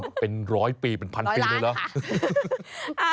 โหเป็นหมื่นพันปีขนาดนี้แล้ว